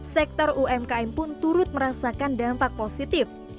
sektor umkm pun turut merasakan dampak positif